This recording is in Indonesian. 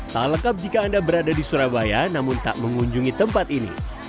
tak lengkap jika anda berada di surabaya namun tak mengunjungi tempat ini